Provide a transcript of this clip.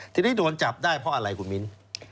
ทีนี้โดนจับได้เพราะอะไรคุณมิ้น